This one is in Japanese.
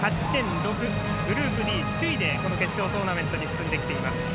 ６グループＤ首位で決勝トーナメントに進んでいます。